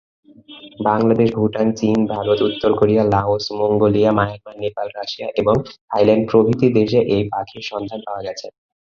বাংলাদেশ, ভুটান, চীন, ভারত, উত্তর Korea, Laos, Mongolia, Myanmar, Nepal, Russia এবং থাইল্যান্ড প্রভৃতি দেশে এই পাখির সন্ধান পাওয়া গেছে।